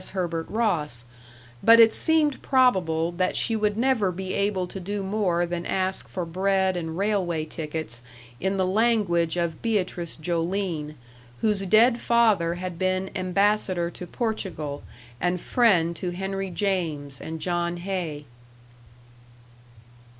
Herbert Ross; but it seemed probable that she would never be able to do more than ask for bread and railway tickets in the language of Beatrice Joline, whose dead father had been ambassador to Portugal and friend to Henry James and John Hay.